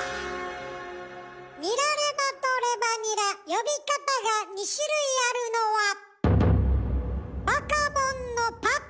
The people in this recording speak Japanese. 「ニラレバ」と「レバニラ」呼び方が２種類あるのはバカボンのパパのせいなのだ。